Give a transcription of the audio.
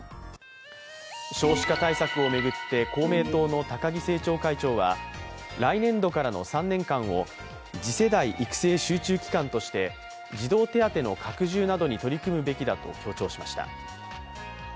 少子化対策を巡って公明党の高木政調会長は来年度からの３年間を次世代育成集中期間として児童手当の拡充などに取り組むべきだと強調しました。